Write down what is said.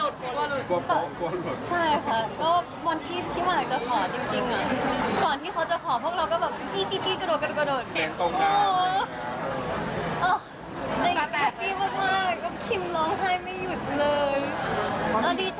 เดี๋ยวลด